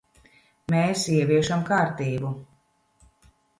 Mēs ieviešam kārtību.